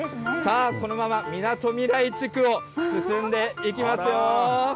さあ、このままみなとみらい地区を進んでいきますよ。